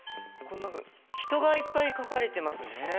人がいっぱい描かれてますね。